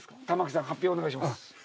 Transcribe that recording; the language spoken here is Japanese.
玉置さん、発表をお願いします。